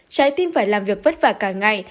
trái tim phải làm việc vất vả cả ngày